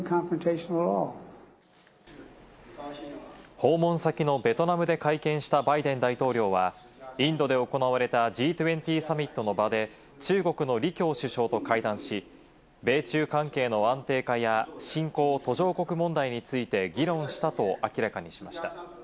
訪問先のベトナムで会見したバイデン大統領は、インドで行われたＧ２０サミットの場で中国のリ・キョウ首相と会談し、米中関係の安定化や、新興・途上国問題について、議論したと明らかにしました。